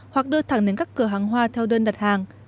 hoặc đưa thẳng đến các cửa hàng hoa theo đơn đặt hàng